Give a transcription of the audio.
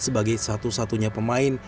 sebagai satu satunya pemain